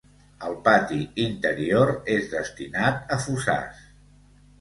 El pati interior és destinat a fossars.